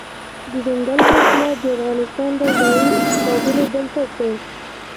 دځنګل حاصلات د افغانستان د ځایي اقتصادونو بنسټ دی.